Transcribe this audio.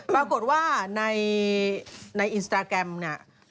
ปรากฏว่าในอินสตาแกรมเนี่ย